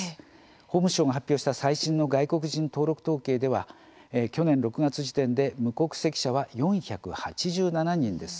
法務省が発表した最新の外国人登録統計では去年６月時点で無国籍者は４８７人です。